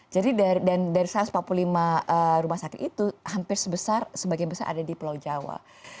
jadi dari satu ratus empat puluh lima rumah sakit itu hampir sebesar sebagian besar ada di pulau jawa